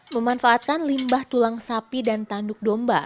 memanfaatkan limbah tulang sapi dan tanduk domba